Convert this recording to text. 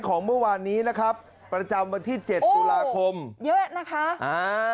ของเมื่อวานนี้นะครับประจำวันที่เจ็ดตุลาคมเยอะนะคะอ่า